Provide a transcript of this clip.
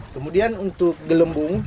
kemudian untuk gelembung